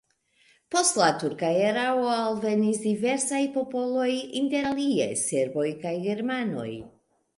Post la turka erao alvenis diversaj popoloj, inter alie serboj kaj germanoj.